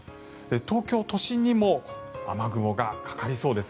東京都心にも雨雲がかかりそうです。